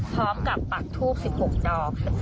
พร้อมกับปักทูบ๑๖ดอก